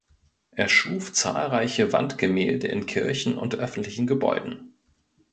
Er schuf zahlreiche Wandgemälde in Kirchen und öffentlichen Gebäuden.